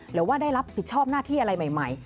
หรือว่าได้รับผิดชอบหน้าที่อะไรใหม่